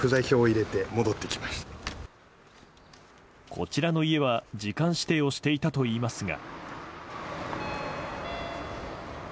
こちらの家は時間指定をしていたといいますが。